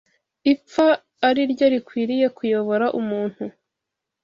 ipfa ari ryo rikwiriye kuyobora umuntu